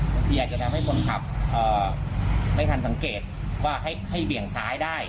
ที่อาจจะทำให้คนขับไม่ทันสังเกตว่าให้เบี่ยงซ้ายได้